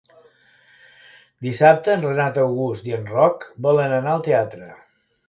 Dissabte en Renat August i en Roc volen anar al teatre.